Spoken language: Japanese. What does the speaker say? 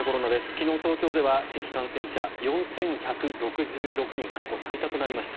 昨日、東京では新規感染者が４１６６人過去最多となりました。